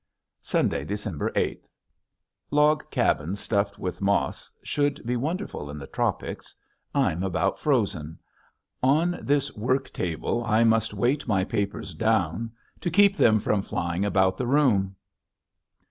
Sunday, December eighth. Log cabins stuffed with moss should be wonderful in the tropics. I'm about frozen. On this work table I must weight my papers down to keep them from flying about the room.